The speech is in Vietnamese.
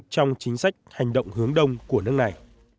trong chính sách hành động hướng đông của nước này